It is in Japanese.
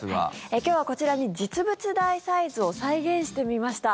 今日はこちらに実物大サイズを再現してみました。